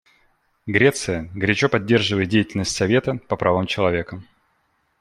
Греция горячо поддерживает деятельность Совета по правам человека.